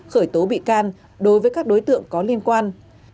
khởi tố bị can đối với các đối tượng có liên quan